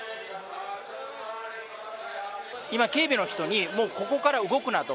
今、警備の人に、もうここから動くなと。